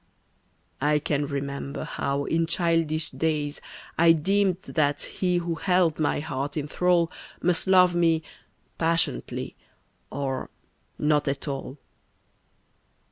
I can remember how, in childish days, I deemed that he who held my heart in thrall Must love me "passionately" or "not at all."